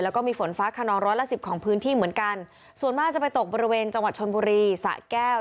แล้วก็มีฝนฟ้าขนองร้อยละสิบของพื้นที่เหมือนกันส่วนมากจะไปตกบริเวณจังหวัดชนบุรีสะแก้ว